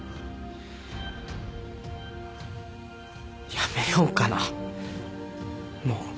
辞めようかなもう。